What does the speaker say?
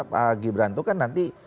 pak gibran itu kan nanti